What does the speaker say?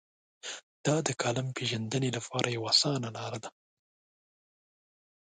دا د کالم پېژندنې لپاره یوه اسانه لار ده.